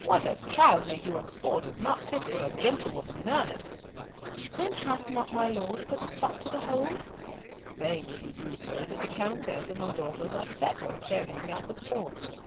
What a child may do in sport is not fit for a gentlewoman in earnest.'" "Then, hath not my lord put a stop to the whole?" "Fain would he do so, but the Countess and her daughters are set on carrying out the sport.